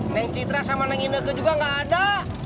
neng citra sama neng indra juga gak ada